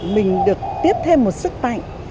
mình được tiếp thêm một sức mạnh